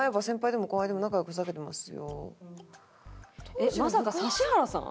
えっまさか指原さん？